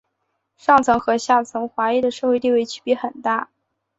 上层和下层华裔的社会地位区别很大。